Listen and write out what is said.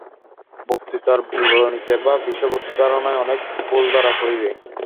বক্তৃতার বিবরণীতে বা বিষয়বস্তু ধারণায় অনেক ভুল ধরা পড়িবে।